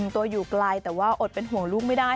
ตัวอยู่ไกลแต่ว่าอดเป็นห่วงลูกไม่ได้